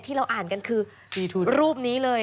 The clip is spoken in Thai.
เราอ่านกันคือรูปนี้เลย